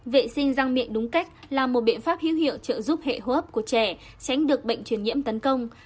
vệ sinh răng miệng đúng cách là một biện pháp hữu hiệu trợ giúp hệ hô hấp của trẻ tránh được bệnh truyền nhiễm tấn công